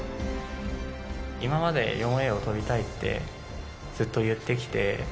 今まで４Ａを跳びたいって、ずっと言ってきて。